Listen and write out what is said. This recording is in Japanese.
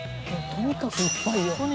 とにかくいっぱいよ。